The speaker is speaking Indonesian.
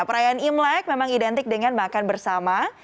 perayaan imlek memang identik dengan makan bersama